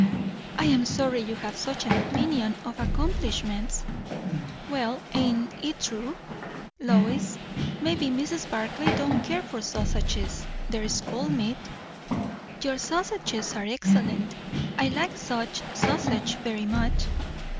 "I am sorry you have such an opinion of accomplishments." "Well, ain't it true? Lois, maybe Mrs. Barclay don't care for sausages. There's cold meat." "Your sausages are excellent. I like such sausage very much."